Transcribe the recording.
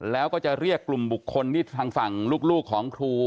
แล้วก็จะเรียกกลุ่มบุคคลที่ทางฝั่งลูกของครู